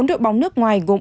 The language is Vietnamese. bốn đội bóng nước ngoài gồm